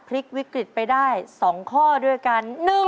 พลิกวิกฤตไปได้๒ข้อด้วยกัน